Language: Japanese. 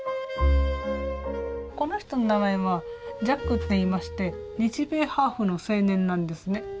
この人の名前はジャックっていいまして日米ハーフの青年なんですね。